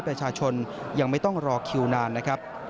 ประชาชนยังไม่ต้องรอคิวนานนะครับ